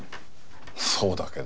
そうだけど。